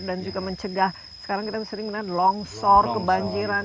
dan juga mencegah sekarang kita sering melihat longsor kebanjiran